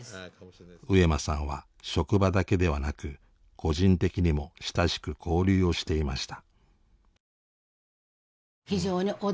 上間さんは職場だけではなく個人的にも親しく交流をしていました。